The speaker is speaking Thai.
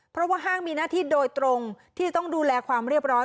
เพราะว่าห้างมีหน้าที่โดยตรงที่ต้องดูแลความเรียบร้อย